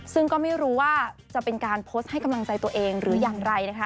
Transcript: ซึ่งก็ไม่รู้ว่าจะเป็นการโพสต์ให้กำลังใจตัวเองหรืออย่างไรนะคะ